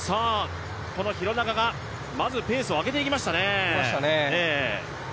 この廣中がまずペースを上げていきましたね。